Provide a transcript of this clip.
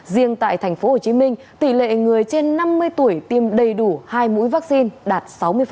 riêng tại tp hcm tỷ lệ người trên năm mươi tuổi tiêm đầy đủ hai mũi vaccine đạt sáu mươi